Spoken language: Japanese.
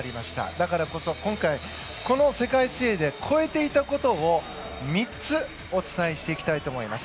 だからこそ、今回この世界水泳で超えていたことを３つお伝えしたいと思います。